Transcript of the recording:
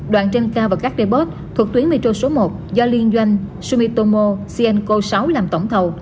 đoạn trên cao và các đề bốt thuộc tuyến metro số một do liên doanh sumitomo sienko sáu làm tổng thầu